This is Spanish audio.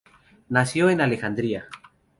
Nació en Alejandría.